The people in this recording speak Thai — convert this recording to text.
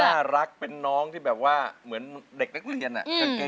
น่ารักเป็นน้องที่แบบว่าเหมือนเด็กนักเรียนกางเกง